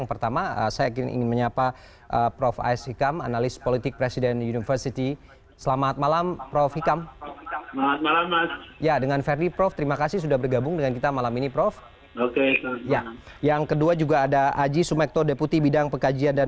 terima kasih pak asep ya